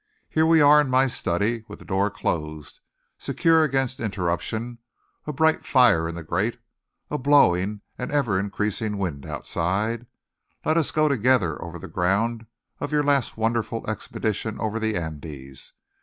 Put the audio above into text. "Here we are in my study, with the door closed, secure against interruption, a bright fire in the grate, a bowling and ever increasing wind outside. Let us go together over the ground of your last wonderful expedition over the Andes.